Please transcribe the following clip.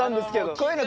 こういうの。